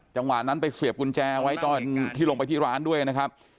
จังหวะนั้นไปเสวียบกุญแจที่ลงไปด้วยนะครับ